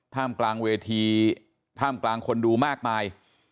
ท่ามกลางเวทีท่ามกลางคนดูมากไป